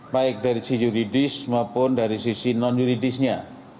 baik dari sisi juridis maupun dari sisi non juridisnya